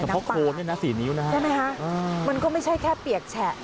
น้ำปลาใช่ไหมคะมันก็ไม่ใช่แค่เปียกแฉะ